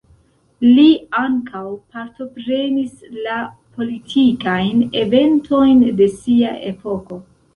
Li ankaŭ partoprenis la politikajn eventojn de sia epoko.